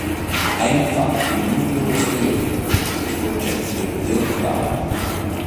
È infatti il nucleo posteriore, sporgente del talamo.